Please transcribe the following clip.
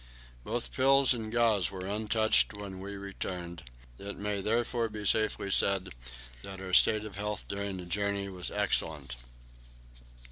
Both pills and gauze were untouched when we returned; it may therefore be safely said that our state of health during the journey was excellent.